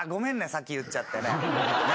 先言っちゃってね。